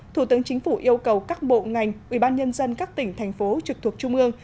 thủ tướng chính phủ yêu cầu các bộ ngành ủy ban nhân dân các tỉnh thành phố trực thuộc trung ương